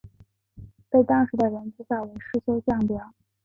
被当时的人讥笑为世修降表。